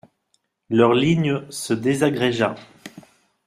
Leur ligne se désagrégea.